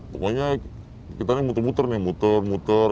pokoknya kita nih muter muter nih muter muter